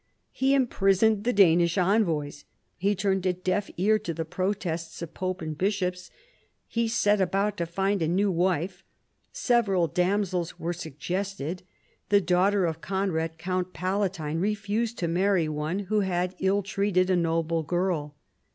He imprisoned the Danish envoys : he turned a deaf ear to the protests of pope and bishops : he set about to find a new wife. Several damsels were suggested. The daughter of Conrad, count Palatine, refused to marry one who had ill treated a noble girl.